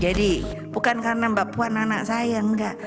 jadi bukan karena mbak puan anak saya